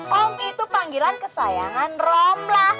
oom itu panggilan kesayangan romlah